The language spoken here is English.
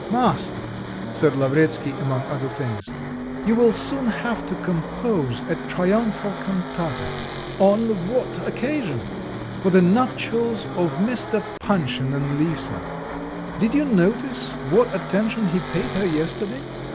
"Master!" said Lavretsky among other things, "you will soon have to compose a triumphal cantata." "On what occasion?" "For the nuptials of Mr. Panshin and Lisa. Did you notice what attention he paid her yesterday?